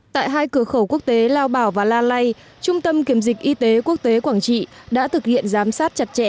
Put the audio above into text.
tại hai cửa khẩu quốc tế lao bảo và la lây trung tâm kiểm dịch y tế quốc tế quảng trị đã thực hiện giám sát chặt chẽ